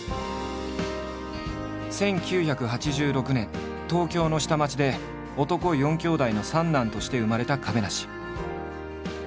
１９８６年東京の下町で男４兄弟の３男として生まれた亀梨。